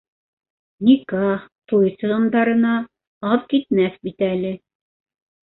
Никах, туй сығымдарына аҙ китмәҫ бит әле.